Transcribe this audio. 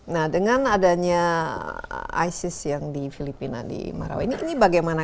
nah dengan adanya isis yang di filipina di marawi ini bagaimana